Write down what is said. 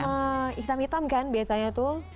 hitam hitam kan biasanya tuh